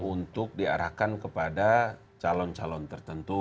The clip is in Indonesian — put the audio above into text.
untuk diarahkan kepada calon calon tertentu